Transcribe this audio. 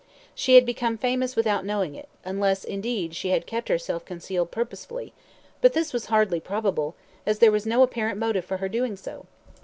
She had become famous without knowing it, unless, indeed, she had kept herself concealed purposely, but this was hardly probable, as there was no apparent motive for her doing so.